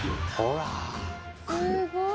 すごい。